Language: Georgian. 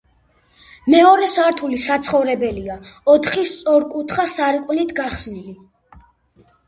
მეორე სართული საცხოვრებელია, ოთხი სწორკუთხა სარკმლით გახსნილი.